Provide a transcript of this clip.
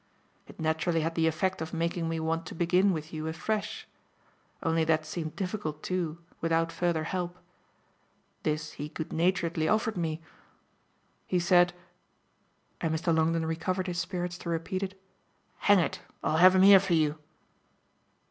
It naturally had the effect of making me want to begin with you afresh only that seemed difficult too without further help. This he good naturedly offered me; he said" and Mr. Longdon recovered his spirits to repeat it "'Hang it, I'll have 'em here for you!